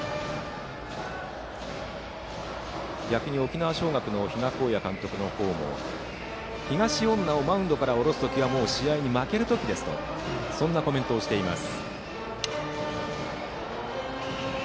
逆に沖縄尚学の比嘉公也監督の方も東恩納をマウンドから降ろす時はもう、試合に負ける時ですとそんなコメントをしています。